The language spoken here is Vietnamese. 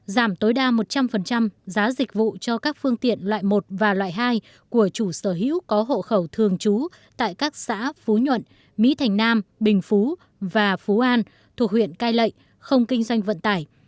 giảm tối đa một trăm linh giá dịch vụ cho các phương tiện loại một và loại hai của chủ sở hữu có hộ khẩu thường trú tại các xã phú nhuận mỹ thành nam bình phú và phú an thuộc huyện cai lệ không kinh doanh vận tải